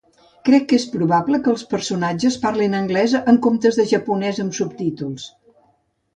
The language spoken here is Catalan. Crec que és probable que els personatges parlin anglès en comptes de japonès amb subtítols.